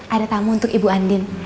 ada tamu untuk ibu andin